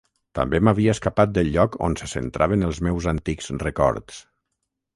També m'havia escapat del lloc on se centraven els meus antics records.